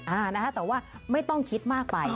อ่านะฮะแต่ว่าไม่ต้องคิดมากไป